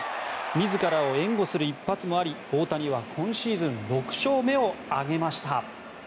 自らを援護する一発もあり大谷は今シーズン６勝目を挙げました。